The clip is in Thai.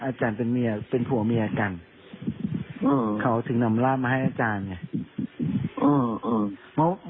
อาจารย์เป็นเมียเป็นผัวเมียกันเขาถึงนำร่ามมาให้อาจารย์ไง